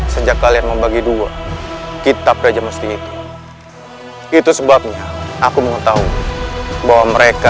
sejak kalian membagi dua kitab raja mesti itu itu sebabnya aku mau tahu bahwa mereka